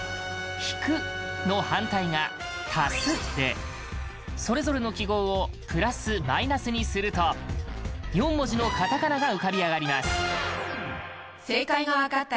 「ヒク」の反対が「タス」でそれぞれの記号をプラス、マイナスにすると４文字のカタカナが浮かび上がります。